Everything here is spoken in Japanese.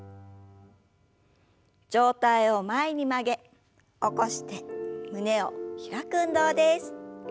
上体を前に曲げ起こして胸を開く運動です。